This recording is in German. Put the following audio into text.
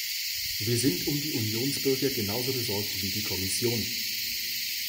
Wir sind um die Unionsbürger genauso besorgt wie die Kommission.